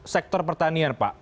sektor pertanian pak